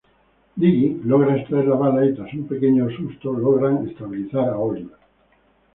Diggle logra extraer la bala y tras un pequeño susto, logran estabilizar a Oliver.